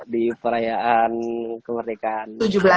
di perayaan kemerdekaan